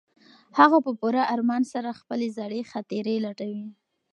هغه په پوره ارمان سره خپلې زړې خاطرې لټوي.